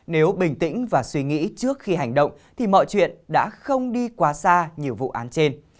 nếu bình tĩnh và suy nghĩ trước khi hành động thì mọi chuyện đã không đi quá xa như vụ án trên